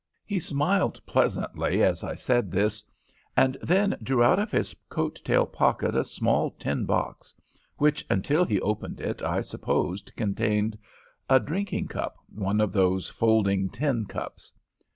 "He smiled pleasantly as I said this, and then drew out of his coat tail pocket a small tin box, which, until he opened it, I supposed contained a drinking cup one of those folding tin cups.